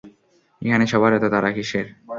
এখানে সবার এতো তাড়া কিসের?